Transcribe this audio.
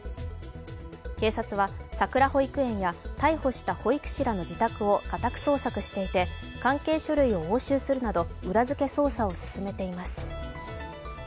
警察はさくら保育園や逮捕した保育士らの自宅を家宅捜索していて関係書類を押収するなど裏づけ捜査を進めています。